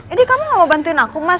ini kamu gak mau bantuin aku mas